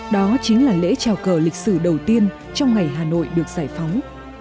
đó chính là lễ trào cờ lịch sử đầu tiên trong ngày hà nội được giải phóng